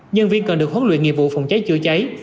nhân viên cần được huấn luyện nghiệp vụ phòng cháy chữa cháy